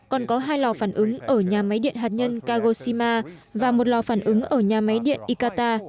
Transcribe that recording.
còn có hai lò phản ứng ở nhà máy điện hạt nhân kagoshima và một lò phản ứng ở nhà máy điện ikata